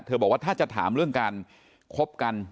บอกว่าถ้าจะถามเรื่องการคบกัน